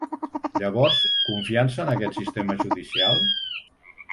Llavors, confiança en aquest sistema judicial?